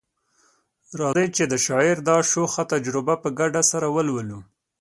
راځئ چي د شاعر دا شوخه تجربه په ګډه سره ولولو